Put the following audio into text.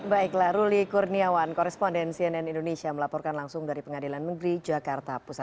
baiklah ruli kurniawan koresponden cnn indonesia melaporkan langsung dari pengadilan negeri jakarta pusat